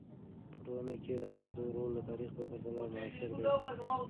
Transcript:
په ټولنه کې د افرادو رول د تاریخ په پرتله معاصر دی.